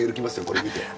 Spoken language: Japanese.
これ見て。